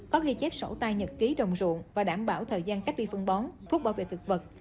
có ghi chép sổ tay nhật ký đồng ruộng và đảm bảo thời gian cách ly phân bón thuốc bảo vệ thực vật